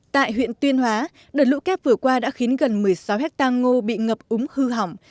tại huyện tuyên hóa đợt lũ kép vừa qua đã khiến gần một mươi sáu hectare ngô bị ngập úng hư hỏng